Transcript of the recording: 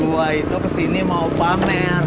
eh gua itu kesini mau pamer